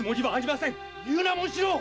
言うな紋四郎！